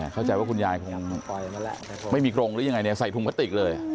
เข้าใจว่าคุณยายคงไม่มีกรงหรือยังไงเนี่ยใส่ถุงพลาสติกเลย